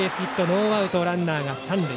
ノーアウトランナー、三塁。